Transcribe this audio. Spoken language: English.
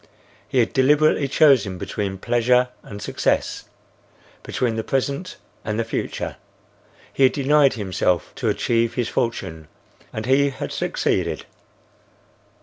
He had deliberately chosen between pleasure and success,—between the present and the future. He had denied himself to achieve his fortune, and he had succeeded.